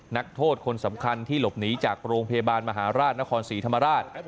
นักโทษคนสำคัญที่หลบหนีจากโรงพยาบาลมหาราชนครศรีธรรมราช